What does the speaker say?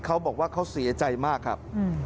เขาบอกว่าเขาเสียใจมากครับ